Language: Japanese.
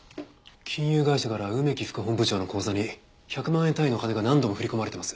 金融会社から梅木副本部長の口座に１００万円単位の金が何度も振り込まれてます。